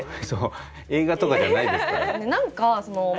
そう映画とかじゃないですからね。